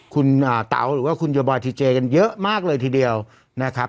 คุณเต๋าหรือว่าคุณโยบอยทีเจกันเยอะมากเลยทีเดียวนะครับ